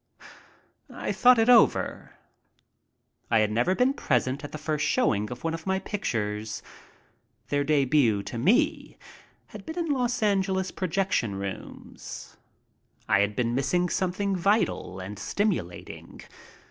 I thought it over. I had never been present at the first showing of one of my pictures. Their debut to me had been in Los AngelSs projection rooms. I had been missing something vital and stimulating.